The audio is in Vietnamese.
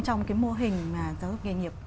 trong cái mô hình giáo dục nghiệp